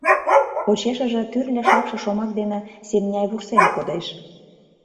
Почешыже тӱрлӧ шакше шомак дене Семняй вурсен кодеш.